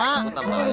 nggak tuh gue tambahin